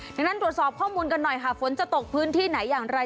ดังนั้นตรวจสอบข้อมูลกันหน่อยค่ะฝนจะตกพื้นที่ไหนอย่างไร